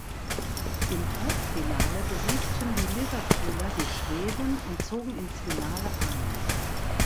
Im Halbfinale besiegten die Liverpooler die Schweden und zogen ins Finale ein.